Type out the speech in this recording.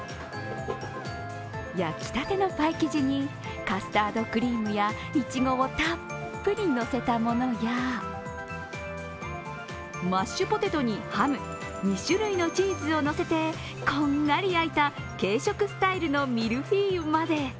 焼きたてのパイ生地にカスタードクリームやいちごをたっぷりのせたものや、マッシュポテトにハム、２種類のチーズをのせてこんがり焼いた軽食スタイルのミルフィーユまで。